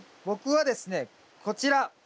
僕はですねこちら。